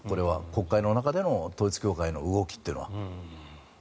国会の中での統一教会の動きというのは。